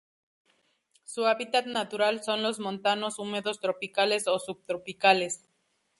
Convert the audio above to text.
Su hábitat natural son los montanos húmedos tropicales o subtropicales.